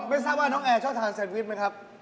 ไม่รู้สึกว่าน้องแอชอบทานแซนวิชไหมครับ